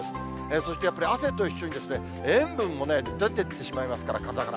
そしてやっぱり汗と一緒に塩分も出てってしまいますから、体から。